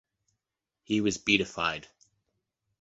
He was beatified.